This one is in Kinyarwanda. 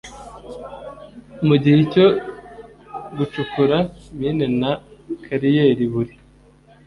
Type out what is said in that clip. Mu gihe cyo gucukura mine na kariyeri buri